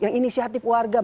yang inisiatif warga